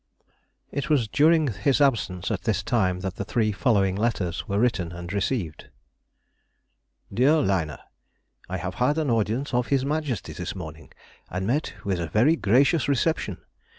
It was during his absence at this time that the three following letters were written and received:— DEAR LINA,— I have had an audience of His Majesty this morning, and met with a very gracious reception.